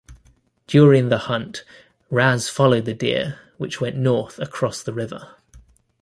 During the hunt, Ras followed the deer, which went north across the river.